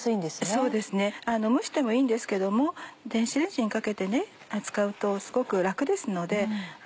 そうですね蒸してもいいんですけども電子レンジにかけて扱うとすごく楽ですので。